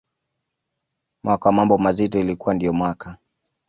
mwaka wa mambo mazito ilikuwa ndiyo mwaka